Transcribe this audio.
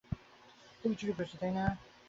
অপর একটি দিক হইতে দেখ।